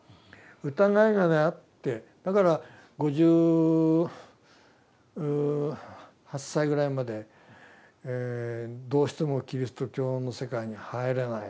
疑いがねあってだから５８歳ぐらいまでどうしてもキリスト教の世界に入れない。